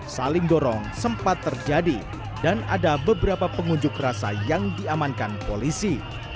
saling dorong sempat terjadi dan ada beberapa pengunjuk rasa yang diamankan polisi